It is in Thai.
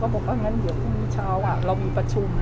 บอกว่างั้นเดี๋ยวพรุ่งนี้เช้าเรามีประชุม